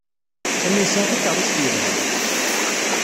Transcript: Sami yesɛa takeṛṛust yelhan.